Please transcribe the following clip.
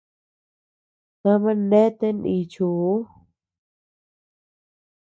Tama neatea nichiu.